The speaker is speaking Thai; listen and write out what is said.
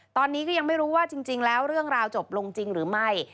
ตอนนี้ก็ยังไม่รู้ว่าจริงแล้วเรื่องราวจบลงจริงหรือไม่